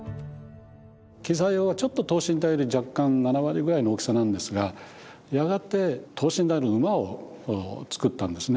跪座俑はちょっと等身大より若干７割ぐらいの大きさなんですがやがて等身大の馬を作ったんですね。